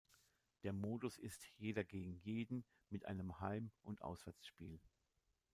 Der Modus ist jeder gegen jeden mit einem Heim- und Auswärtsspiel.